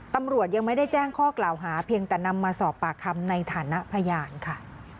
ตำรวจยังไม่ได้แจ้งข้อกล่าวหาเพียงแต่นำมาสอบปากคำในฐานะพยานค่ะ